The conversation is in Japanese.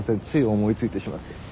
つい思いついてしまって。